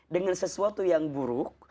dengan sesuatu yang buruk